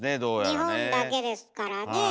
日本だけですからね。